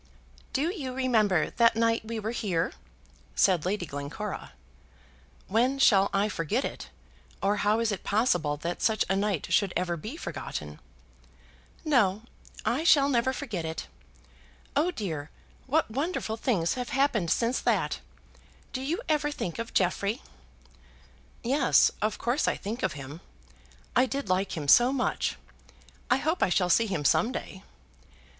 "Do you remember that night we were here?" said Lady Glencora. "When shall I forget it; or how is it possible that such a night should ever be forgotten?" "No; I shall never forget it. Oh dear, what wonderful things have happened since that! Do you ever think of Jeffrey?" "Yes; of course I think of him. I did like him so much. I hope I shall see him some day."